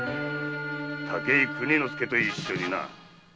武井邦之助と一緒にな。